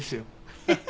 ハハハ！